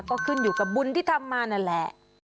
ก็ขึ้นอยู่กับบุญที่ทำมานั่นแหละ